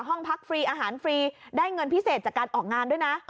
ห้องพักฟรีอาหารฟรีได้เงินพิเศษจากการออกงานด้วยนะ